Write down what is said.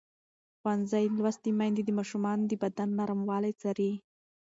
ښوونځې لوستې میندې د ماشومانو د بدن نرموالی څاري.